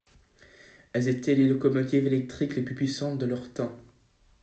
Elles étaient les locomotives électriques les plus puissantes de leur temps.